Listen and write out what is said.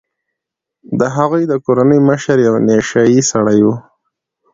د هغوی د کورنۍ مشر یو نشه يي سړی و.